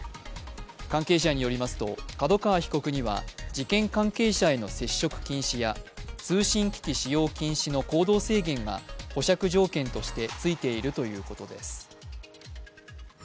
関係者によりますと、角川被告には事件関係者への接触禁止や通信機器使用禁止の行動制限が保釈条件としてついているということです。